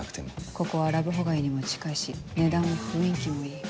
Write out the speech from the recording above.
ここはラブホ街にも近いし値段も雰囲気もいい。